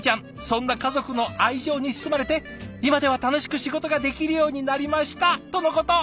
そんな家族の愛情に包まれて「今では楽しく仕事ができるようになりました！」とのこと。